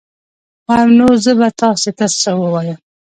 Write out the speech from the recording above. وام نو زه به تاسي ته څه ووایم